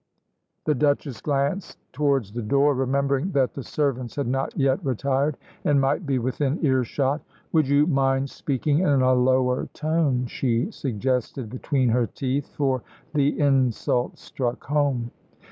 The Duchess glanced towards the door, remembering that the servants had not yet retired and might be within earshot. "Would you mind speaking in a lower tone?" she suggested between her teeth, for the insult struck home.